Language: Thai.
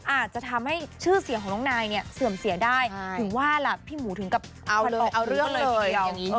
อาจจะทำให้ชื่อเสียงของน้องนายเนี่ยเสื่อมเสียได้ถึงว่าล่ะพี่หมูถึงกับเอาเรื่องเลยทีเดียว